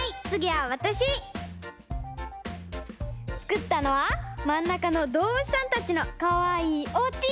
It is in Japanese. つくったのはまんなかのどうぶつさんたちのかわいいおうち！